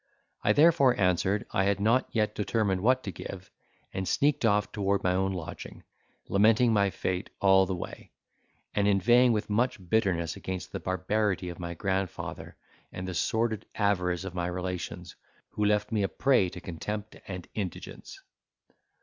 I therefore answered, I had not yet determined what to give; and sneaked off toward my own lodging, lamenting my fate all the way, and inveighing with much bitterness against the barbarity of my grandfather, and the sordid avarice of my relations, who left me a prey to contempt and indigence.